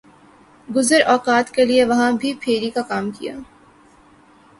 گزر اوقات کیلئے وہاں بھی پھیر ی کاکام کیا۔